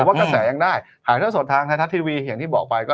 เพราะกระแสยังได้ถ่ายเท่าสดทางไทยรัฐทีวีอย่างที่บอกไปก็